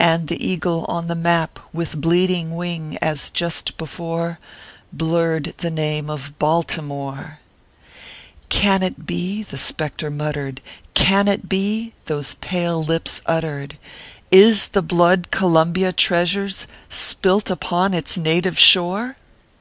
And the Eagle on the map, with bleeding wing, as just before, Blurred the name of BALTIMORE !" Can it bo ?" tho spectre muttered. " Can it be ?" those palo lips ut tered ; "Is the blood Columbia treasures spilt upon its native shore?